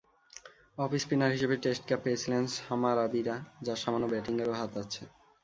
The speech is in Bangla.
অফস্পিনার হিসেবে টেস্ট ক্যাপ পেয়েছিলেন সামারাবীরা, যাঁর সামান্য ব্যাটিংয়েরও হাত আছে।